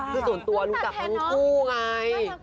คือส่วนตัวรู้จักทั้งคู่ไง